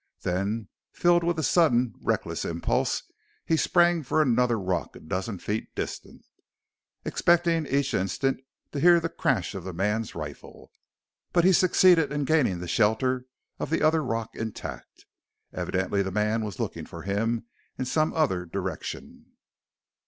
Then, filled with a sudden, reckless impulse, he sprang for another rock a dozen feet distant, expecting each instant to hear the crash of the man's rifle. But he succeeded in gaining the shelter of the other rock intact. Evidently the man was looking for him in some other direction.